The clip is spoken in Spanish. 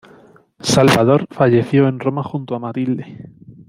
Salvador falleció en Roma junto a Matilde.